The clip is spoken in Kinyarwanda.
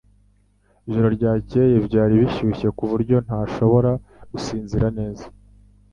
Ijoro ryakeye byari bishyushye kuburyo ntashobora gusinzira neza